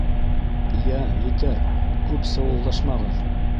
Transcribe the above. — Йә, етәр, күп сыуылдашмағыҙ!